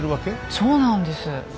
そうなんです。